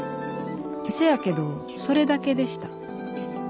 せやけどそれだけでした」。